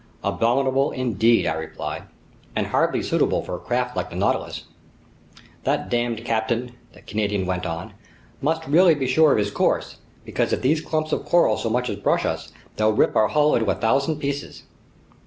"Abominable indeed," I replied, "and hardly suitable for a craft like the Nautilus." "That damned captain," the Canadian went on, "must really be sure of his course, because if these clumps of coral so much as brush us, they'll rip our hull into a thousand pieces!"